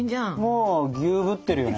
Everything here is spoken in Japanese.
もうギューぶってるよね。